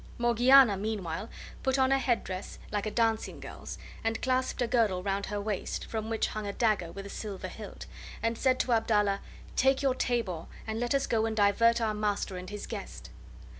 Morgiana, meanwhile, put on a head dress like a dancing girl's, and clasped a girdle round her waist, from which hung a dagger with a silver hilt, and said to Abdallah: "Take your tabor, and let us go and divert our master and his guest."